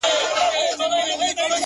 د اختر سهار ته مي؛